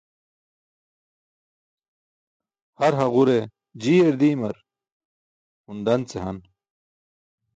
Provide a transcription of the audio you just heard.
Har haġure jiiyar diimar hun dan ce han.